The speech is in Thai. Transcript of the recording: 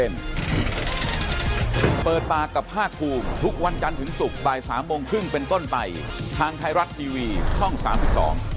ฟ้องให้มากกว่าข้าตำแหน่งนี่ค่ะที่หักไป